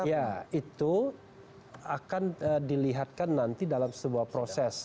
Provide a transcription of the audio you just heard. ya itu akan dilihatkan nanti dalam sebuah proses